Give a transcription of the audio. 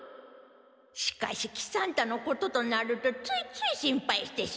しかし喜三太のこととなるとついつい心配してしまう今日このごろなのじゃ。